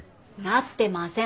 なってません。